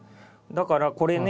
だからこれね